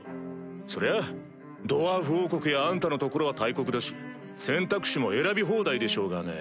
そりゃドワーフ王国やあんたの所は大国だし選択肢も選び放題でしょうがね。